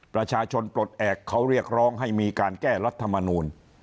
ประชาชนปลดแอบเขาเรียกร้องให้มีการแก้รัฐมนูล